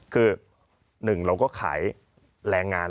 คือหนึ่งเราก็ขายแรงงาน